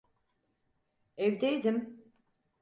Evdeydim.